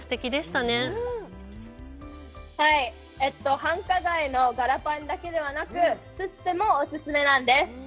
繁華街のガラパンだけではなくて、ススペもお勧めなんです。